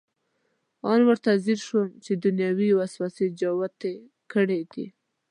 ان ورته ځیر شو چې دنیوي وسوسې جوتې کړې دي.